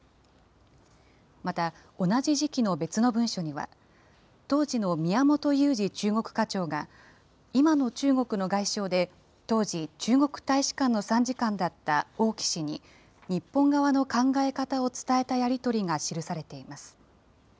また、同じ時期の別の文書には、当時の宮本雄二中国課長が今の中国の外相で、当時、中国大使館の参事官だった王毅氏に、日本側の考え方を伝えたやり取りが記されています。